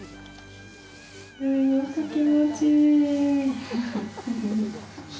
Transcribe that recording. すごく気持ちいい。